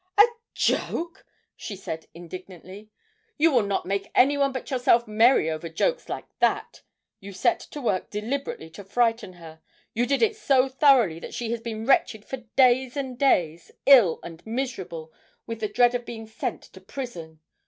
'A joke!' she said indignantly; 'you will not make anyone but yourself merry over jokes like that. You set to work deliberately to frighten her; you did it so thoroughly that she has been wretched for days and days, ill and miserable with the dread of being sent to prison.